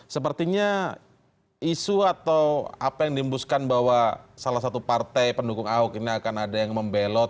sepertinya isu atau apa yang diimbuskan bahwa salah satu partai pendukung ahok ini akan ada yang membelot